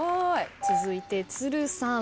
続いて都留さん。